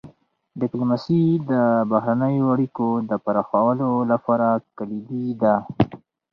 ډيپلوماسي د بهرنیو اړیکو د پراخولو لپاره کلیدي ده.